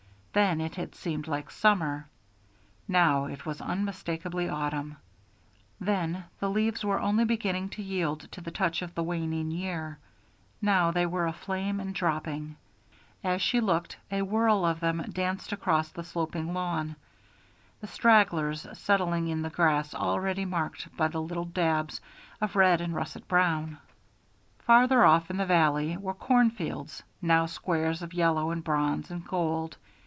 Then it had seemed like summer; now it was unmistakably autumn. Then the leaves were only beginning to yield to the touch of the waning year; now they were aflame and dropping as she looked a whirl of them danced across the sloping lawn, the stragglers settling in the grass already marked by little dabs of red and russet brown. Farther off, in the valley, were corn fields, now squares of yellow and bronze and gold.